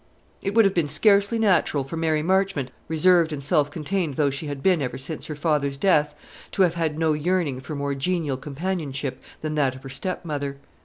It would have been scarcely natural for Mary Marchmont, reserved and self contained though she had been ever since her father's death, to have had no yearning for more genial companionship than that of her stepmother.